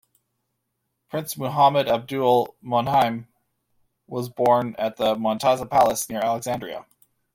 Prince Muhammad Abdul Moneim was born at the Montaza Palace, near Alexandria.